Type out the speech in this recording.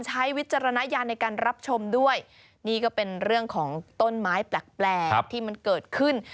วิจารณญาณในการรับชมด้วยนี่ก็เป็นเรื่องของต้นไม้แปลกที่มันเกิดขึ้น